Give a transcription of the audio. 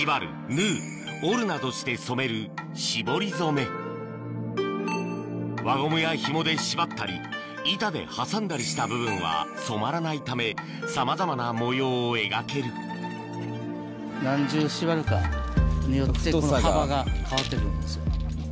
それは輪ゴムやひもで縛ったり板で挟んだりした部分は染まらないためさまざまな模様を描ける何重縛るかによってこの幅が変わって来るんです。